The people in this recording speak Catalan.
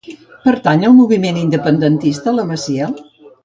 Pertany al moviment independentista la Massiel?